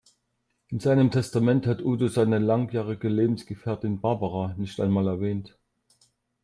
In seinem Testament hat Udo seine langjährige Lebensgefährtin Barbara nicht einmal erwähnt.